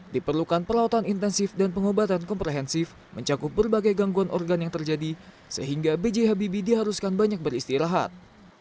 diperlukan perlautan intensif dan pengobatan komprehensif mencakup berbagai gangguan organ yang terjadi sehingga b j habibie diharuskan banyak beristirahat